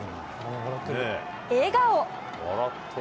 笑顔。